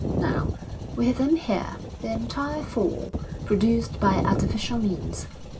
Now, we have them here the entire four produced by artificial means.